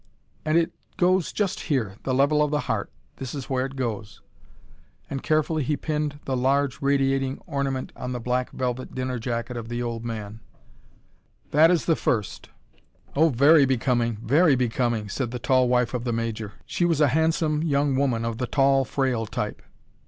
"And it goes just here the level of the heart. This is where it goes." And carefully he pinned the large, radiating ornament on the black velvet dinner jacket of the old man. "That is the first and very becoming," said Lady Franks. "Oh, very becoming! Very becoming!" said the tall wife of the Major she was a handsome young woman of the tall, frail type.